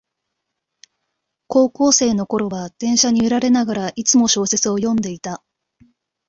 高校生のころは電車に揺られながら、いつも小説を読んでいた